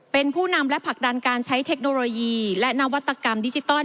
เป็นผู้นำและผลักดันการใช้เทคโนโลยีและนวัตกรรมดิจิตอล